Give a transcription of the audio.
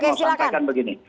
saya mau sampaikan begini